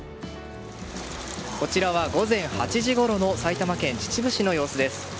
こちらは午前８時ごろの埼玉県秩父市の様子です。